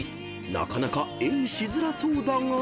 ［なかなか絵にしづらそうだが］